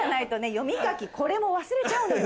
読み書きこれも忘れちゃうのよ。